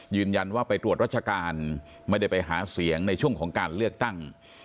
ยืนยันว่าไปตรวจรัชการไม่ได้ไปหาเสียงในช่วงของการเลือกตั้ง